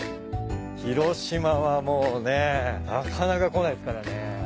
広島はもうねなかなか来ないっすからね。